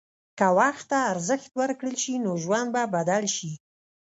که وخت ته ارزښت ورکړل شي، نو ژوند به بدل شي.